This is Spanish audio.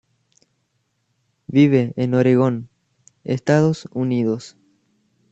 Vive en Oregón, Estados Unidos.